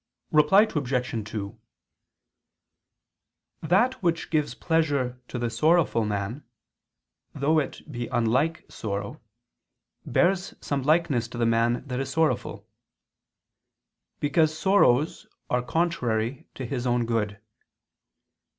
Reply Obj. 2: That which gives pleasure to the sorrowful man, though it be unlike sorrow, bears some likeness to the man that is sorrowful: because sorrows are contrary to his own good.